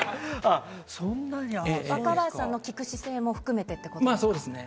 若林さんの聞く姿勢も含めてってことですか。